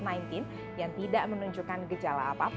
yang tidak menunjukkan gejala apa apa